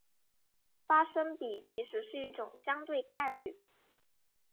发生比其实是一种相对概率。